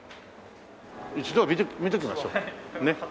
一度は見ておきましょうねっ。